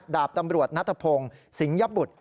ดาบตำรวจนัทพงศ์สิงยบุตร